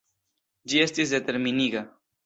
Ĝi estis determiniga.